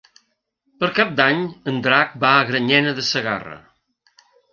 Per Cap d'Any en Drac va a Granyena de Segarra.